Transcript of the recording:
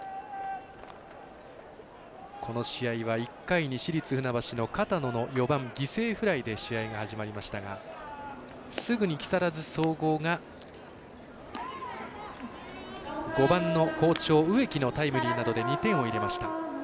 この試合は、１回に市立船橋の片野の４番、犠牲フライで試合が始まりましたがすぐに木更津総合が５番の好調植木のタイムリーなどで２点を入れました。